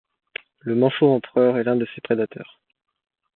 Le Manchot empereur est l'un de ses prédateurs.